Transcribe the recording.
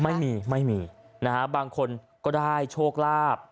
ไม่มีไม่มีนะฮะบางคนก็ได้โชคลาภ